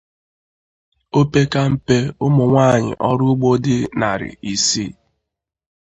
Opekampe ụmụ nwaanyị ọrụ ugbo dị narị isii